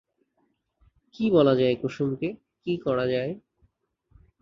কী বলা যায় কুসুমকে, কী করা যায়!